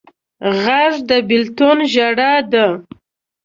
غږ د بېلتون ژړا ده